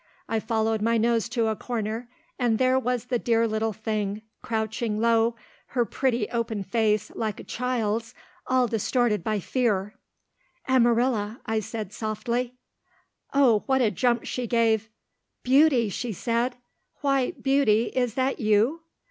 I followed my nose to a corner, and there was the dear little thing, crouching low, her pretty open face, like a child's, all distorted by fear. "Amarilla," I said softly. Oh what a jump she gave. "Beauty," she said, "why, Beauty, is that you?"